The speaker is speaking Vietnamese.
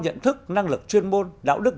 nhận thức năng lực chuyên môn đạo đức